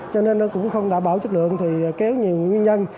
cho nên nó cũng không đảm bảo chất lượng thì kéo nhiều nguyên nhân